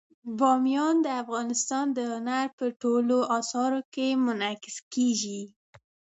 بامیان د افغانستان د هنر په ټولو اثارو کې منعکس کېږي.